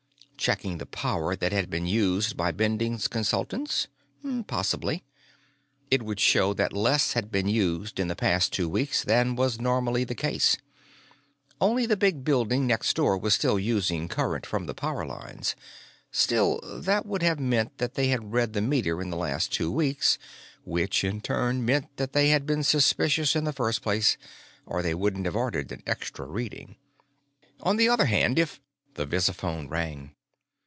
Checking the power that had been used by Bending Consultants? Possibly. It would show that less had been used in the past two weeks than was normally the case. Only the big building next door was still using current from the power lines. Still, that would have meant that they had read the meter in the last two weeks, which, in turn, meant that they had been suspicious in the first place or they wouldn't have ordered an extra reading. On the other hand, if The visiphone rang.